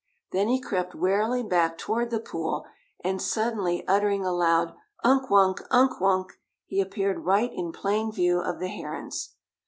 Then he crept warily back toward the pool and suddenly uttering a loud "Unk Wunk, Unk Wunk," he appeared right in plain view of the herons.